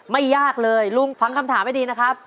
ไม่ยากเลยลุงฟังคำถามให้ดีนะครับ